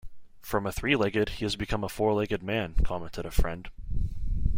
"From a three-legged, he has become a four-legged man" commented a friend.